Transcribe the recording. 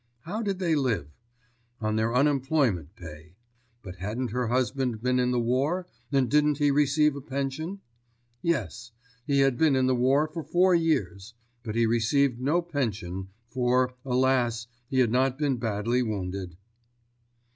How did they live? On their unemployment pay. But hadn't her husband been in the war and didn't he receive a pension? Yes. He had been in the war for four years. But he received no pension, for, alas, he had not been badly wounded.